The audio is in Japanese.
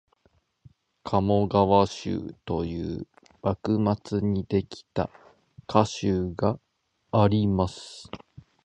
「鴨川集」という幕末にできた歌集があります